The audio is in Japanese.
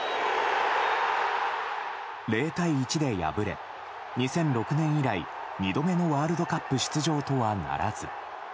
０対１で敗れ、２００６年以来２度目のワールドカップ出場とはならず。